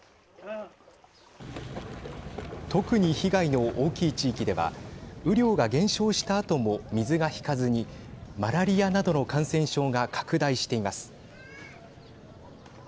特に被害の大きい地域では雨量が減少したあとも水が引かずにマラリアなどの感染症が拡大しています。